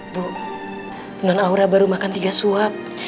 bu non aura baru makan tiga suap